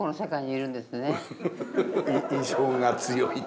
印象が強い。